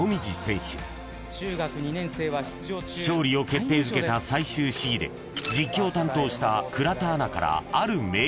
［勝利を決定づけた最終試技で実況を担当した倉田アナからある名言が］